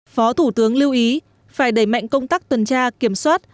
phó thủ tướng lưu ý phải đẩy mạnh công tác tuần tra kiểm soát